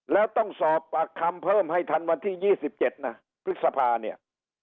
แล้วต้องสอบปากคำเพิ่มให้ทันวันที่ยี่สิบเจ็ดน่ะภฤษภาเนี้ย